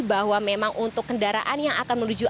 bahwa memang untuk kendaraan yang akan menuju